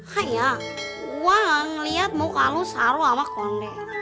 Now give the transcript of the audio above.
hai ya wang liat muka lu sama konde